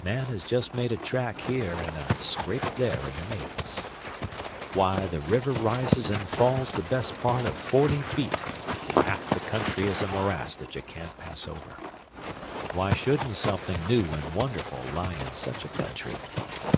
Man has just made a track here and a scrape there in the maze. Why, the river rises and falls the best part of forty feet, and half the country is a morass that you can't pass over. Why shouldn't somethin' new and wonderful lie in such a country?